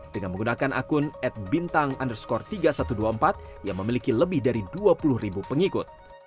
dengan menggunakan akun at bintang underscore tiga ribu satu ratus dua puluh empat yang memiliki lebih dari dua puluh ribu pengikut